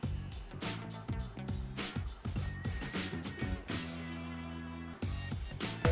berita terkini mengenai cuaca ekstrem dua ribu dua puluh satu